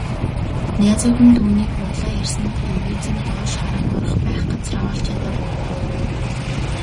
Найзууд нь түүнийг худлаа ярьсанд эвгүйцэн доош харан орох байх газраа олж ядав.